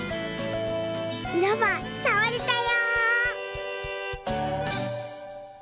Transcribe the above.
ロバさわれたよ！